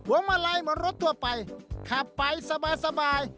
วงมาลัยเหมือนรถทั่วไปขับไปสบาย